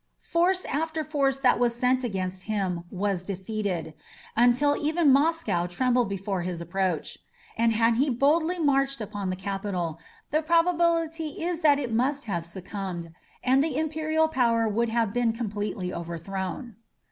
Force after force that was sent against him was defeated, until even Moscow trembled before his approach; and had he boldly marched upon the capital, the probability is that it must have succumbed, and the imperial power would have been completely overthrown.